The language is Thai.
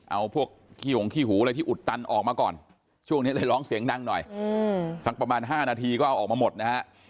เอาพวกขี้หงขี้หูอะไรที่อุดตันออกมาก่อนช่วงนี้เลยร้องเสียงดังหน่อยสักประมาณ๕นาทีก็เอาออกมาหมดนะฮะ